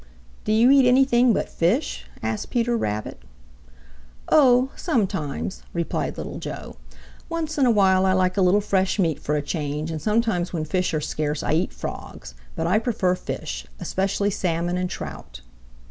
"Do you eat anything but fish?" asked Peter Rabbit. "Oh, sometimes," replied Little Joe. "Once in a while I like a little fresh meat for a change, and sometimes when fish are scarce I eat Frogs, but I prefer fish, especially Salmon and Trout."